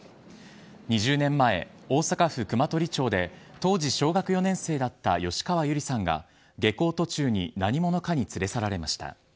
２０年前、大阪府熊取町で当時小学４年生だった吉川友梨さんが下校途中に何者かに連れ去られました。